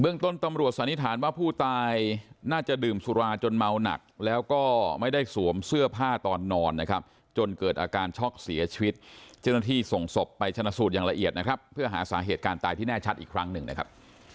ต้นตำรวจสันนิษฐานว่าผู้ตายน่าจะดื่มสุราจนเมาหนักแล้วก็ไม่ได้สวมเสื้อผ้าตอนนอนนะครับจนเกิดอาการช็อกเสียชีวิตเจ้าหน้าที่ส่งศพไปชนะสูตรอย่างละเอียดนะครับเพื่อหาสาเหตุการณ์ตายที่แน่ชัดอีกครั้งหนึ่งนะครับ